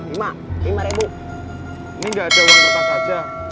ini gak ada uang nafkah saja